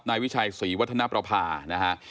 นายวิชัยศรีวัฒนประภานะฮะ